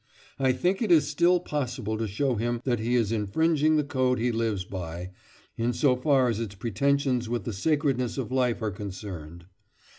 I think it is still possible to show him that he is infringing the code he lives by, in so far as its pretensions with the sacredness of life are concerned.